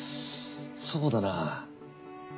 そうだな。